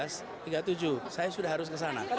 saya sudah harus kesana